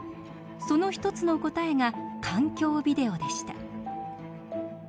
その一つの答えが環境ビデオでした。